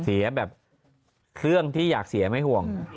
เสียแบบเครื่องที่อยากเสียไม่ห่วง